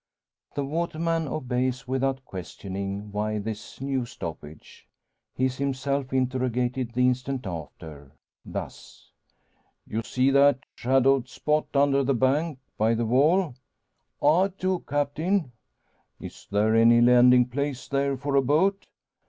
The waterman obeys without questioning why this new stoppage. He is himself interrogated the instant after thus: "You see that shadowed spot under the bank by the wall?" "I do, Captain." "Is there any landing place there for a boat?"